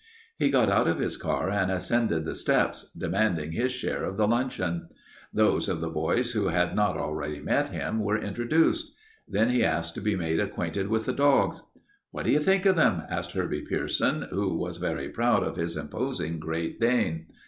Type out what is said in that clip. He got out of his car and ascended the steps, demanding his share of the luncheon. Those of the boys who had not already met him were introduced. Then he asked to be made acquainted with the dogs. "What do you think of them?" asked Herbie Pierson, who was very proud of his imposing Great Dane.